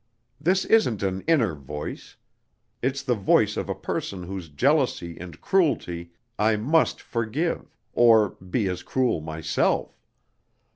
This isn't an inner voice. It's the voice of a person whose jealousy and cruelty I must forgive, or be as cruel myself.